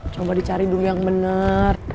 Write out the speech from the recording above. coba dicari dulu yang benar